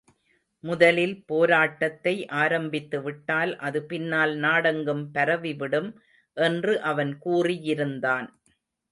முதலில் போராட்டத்தை ஆரம்பித்துவிட்டால் அது பின்னால் நாடெங்கும் பரவிவிடும் என்று அவன் கூறியிருந்தான்.